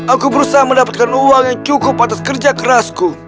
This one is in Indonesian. aku berusaha mendapatkan uang yang cukup atas kerja kerasku